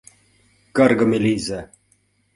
Каргыме лийза!